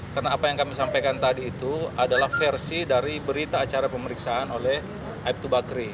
karena apa yang kami sampaikan tadi itu adalah versi dari berita acara pemeriksaan oleh aib dua bs